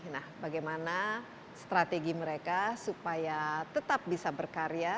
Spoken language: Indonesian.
nah bagaimana strategi mereka supaya tetap bisa berkarya